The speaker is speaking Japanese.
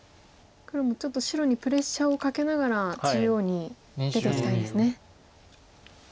黒もちょっと白にプレッシャーをかけながら中央に出ていきたいんですね。